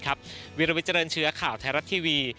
วิลวิเจริญเชื้อข่าวไทยรัฐทีวี